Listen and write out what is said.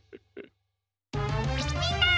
みんな！